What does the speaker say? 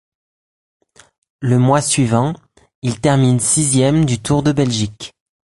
Le mois suivant, il termine sixième du Tour de Belgique.